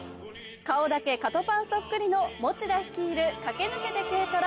顔だけカトパンそっくりの餅田率いる駆け抜けて軽トラ。